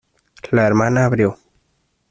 la hermana abrió.